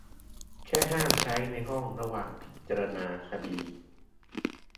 แค่ห้ามใช้ในห้องระหว่างพิจารณาคดี